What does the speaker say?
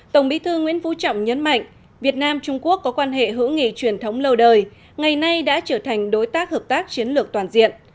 tổng bí thư nguyễn phú trọng nhấn mạnh việt nam trung quốc có quan hệ hữu nghị truyền thống lâu đời ngày nay đã trở thành đối tác hợp tác chiến lược toàn diện